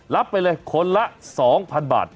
รับไปเลยคนละ๒๐๐๐บาท